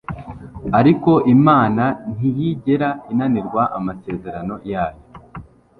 ariko imana ntiyigera inanirwa amasezerano yayo